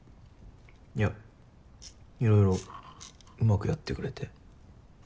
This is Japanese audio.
いやいろいろうまくやってくれて。